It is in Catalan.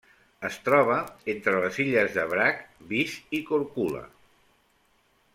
Es troba entre les illes de Brač, Vis i Korčula.